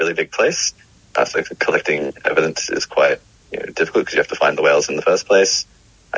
jadi mengumpulkan bukti sangat sulit karena kita harus menemukan hewan di tempat pertama